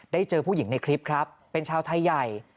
เจอผู้หญิงในคลิปครับเป็นชาวไทยใหญ่